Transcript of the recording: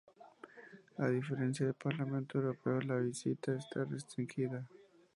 A diferencia del Parlamento Europeo, la visita está restringida.